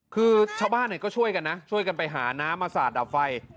คือชาวบ้านก็ช่วยกันนะช่วยกันไปหาน้ำมาสาดดับไฟ